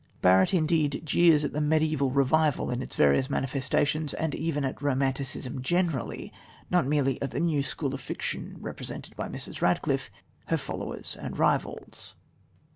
Barrett, indeed, jeers at the mediaeval revival in its various manifestations and even at "Romanticism" generally, not merely at the new school of fiction represented by Mrs. Radcliffe, her followers and rivals.